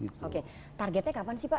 targetnya kapan sih pak